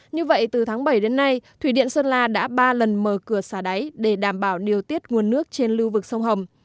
như vậy từ tháng bảy đến nay thủy điện sơn la đã ba lần mở cửa xả đáy để đảm bảo điều tiết nguồn nước trên lưu vực sông hồng